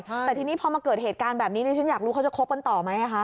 แต่ทีนี้พอมาเกิดเหตุการณ์แบบนี้ดิฉันอยากรู้เขาจะคบกันต่อไหมคะ